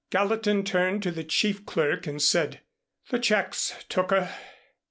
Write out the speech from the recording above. Gallatin turned to the chief clerk and said: "The checks, Tooker."